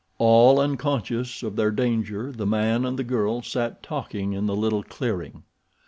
All unconscious of their danger the man and the girl sat talking in the little clearing.